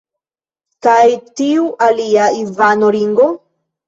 Kaj tiu alia, Ivano Ringo?